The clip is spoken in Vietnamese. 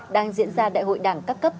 đang diễn ra đại hội đảng cấp cấp